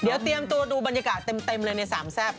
เดี๋ยวเตรียมตัวดูบรรยากาศเต็มเลยในสามแซ่บ